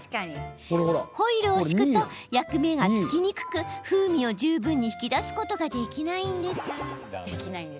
ホイルを敷くと焼き目がつきにくく風味を十分に引き出すことができません。